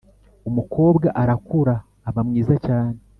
umukobwa arakura, aba mwiza cyane.